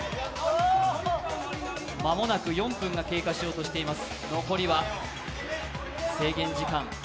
間もなく４分が経過しようとてしいます。